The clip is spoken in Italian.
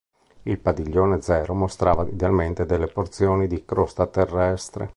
Il Padiglione Zero mostrava idealmente delle porzioni di crosta terrestre.